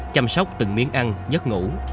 chăm sóc từng miếng ăn giấc ngủ